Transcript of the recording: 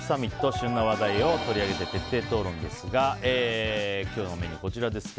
旬な話題を取り上げて徹底討論ですが今日のメニューはこちらです。